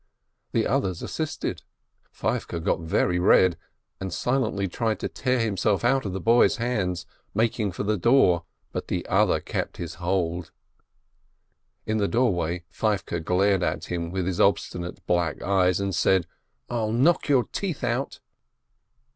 The others assisted. Feivke got very red, and silently tried to tear himself out of the boy's hands, making for the door, but the other kept his hold. In the doorway Feivke glared at him with his obstinate black eyes, and said: "I'll knock your teeth out